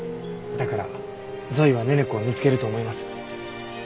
だからゾイは寧々子を見つけると思います。